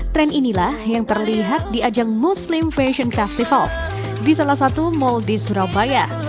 tren inilah yang terlihat di ajang muslim fashion festival di salah satu mal di surabaya